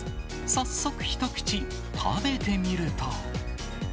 早速一口食べてみると。